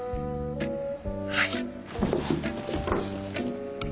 はい。